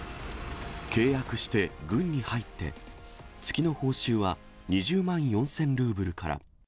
契約して軍に入って、月の報酬は２０万４０００ルーブルから。